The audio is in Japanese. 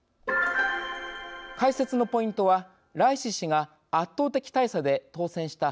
解説のポイントはライシ師が圧倒的大差で当選した背景。